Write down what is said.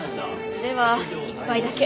では１杯だけ。